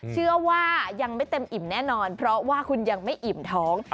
เชื่อว่ายังไม่เต็มอิ่มแน่นอนเพราะว่าคุณยังไม่อิ่มท้อง